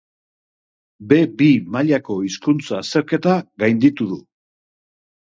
B bi mailako hizkuntza azterketa gainditu du.